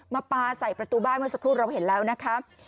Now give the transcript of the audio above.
มาปลาใส่ประตูบ้านไว้สักครู่เราเห็นแล้วนะครับ